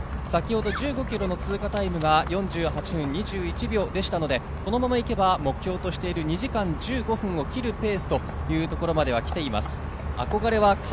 先ほど１５ｋｍの追加タイムが４８分２１秒でしたのでこのままいけば目標としている２時間１５分を切るペースまではきています。